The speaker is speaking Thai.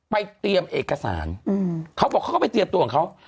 เตรียมเอกสารเขาบอกเขาก็ไปเตรียมตัวของเขา